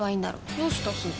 どうしたすず？